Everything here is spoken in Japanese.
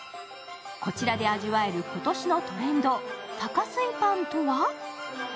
こちらで味わえる今年のトレンド、多加水パンとは？